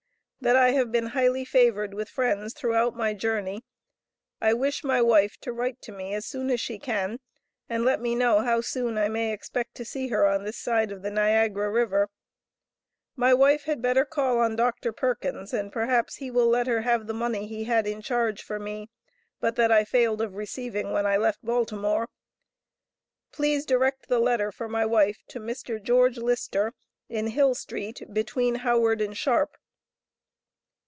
That I have been highly favored with friends throughout my journey I wish my wife to write to me as soon as she can and let me know how soon I may expect to see her on this side of the Niagara River. My wife had better call on Dr. Perkins and perhaps he will let her have the money he had in charge for me but that I failed of receiving when I left Baltimore. Please direct the letter for my wife to Mr. George Lister, in Hill street between Howard and Sharp.